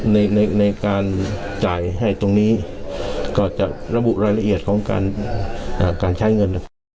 ข้อตกลงการในการจ่ายให้ตรงนี้ก็จะระบุรายละเอียดของการใช้เงิน